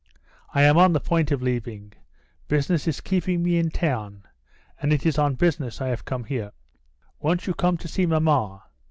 "I am on the point of leaving. Business is keeping me in town, and it is on business I have come here." "Won't you come to see mamma?